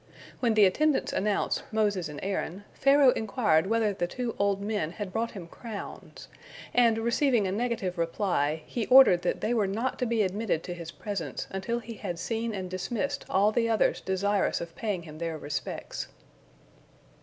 When the attendants announced Moses and Aaron, Pharaoh inquired whether the two old men had brought him crowns, and, receiving a negative reply, he ordered that they were not to be admitted to his presence, until he had seen and dismissed all the others desirous of paying him their respects.